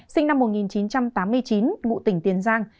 sinh năm một nghìn chín trăm tám mươi chín ngụ tỉnh tiền giang